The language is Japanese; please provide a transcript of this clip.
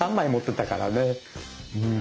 うん。